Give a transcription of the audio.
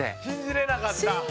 信じれなかった。